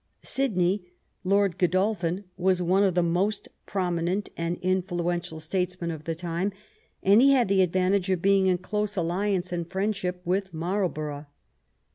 Sidney, Lord Godolphin, was one of the most promi nent and influential statesmen of the time, and he had the advantage of being in close alliance and friendship with Marlborough.